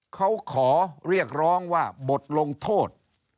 เขาขอเรียกร้องว่าบทลงโทษ